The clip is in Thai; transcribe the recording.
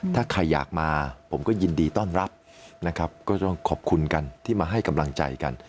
ถ้าใครอยากมาผมก็ยินดีต้อนรับนะครับก็ต้องขอบคุณกันที่มาให้กำลังใจกัน